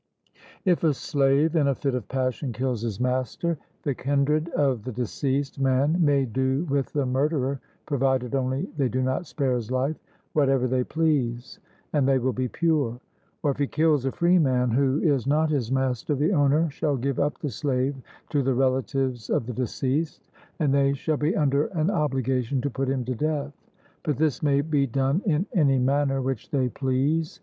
If a slave in a fit of passion kills his master, the kindred of the deceased man may do with the murderer (provided only they do not spare his life) whatever they please, and they will be pure; or if he kills a freeman, who is not his master, the owner shall give up the slave to the relatives of the deceased, and they shall be under an obligation to put him to death, but this may be done in any manner which they please.